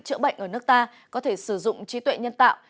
chữa bệnh ở nước ta có thể sử dụng trí tuệ nhân tạo